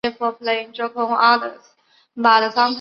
能达到这种理想境界便无所不能为。